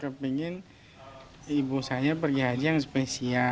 kalau saya sebagai anak kepingin ibu saya pergi haji yang spesial